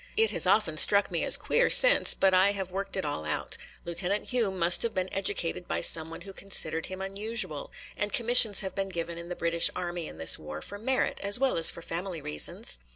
It has often struck me as queer since, but I have worked it all out. Lieutenant Hume must have been educated by some one who considered him unusual. And commissions have been given in the British army in this war for merit as well as for family reasons."